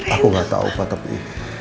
aku nggak tahu pak tapi